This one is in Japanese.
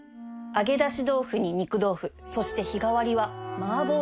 「揚げ出し豆腐」に「肉豆腐」そして「日替り」はマーボー豆腐